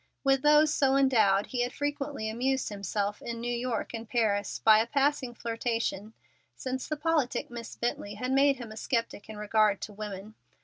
With those so endowed he had frequently amused himself in New York and Paris by a passing flirtation since the politic Miss Bently had made him a sceptic in regard to women.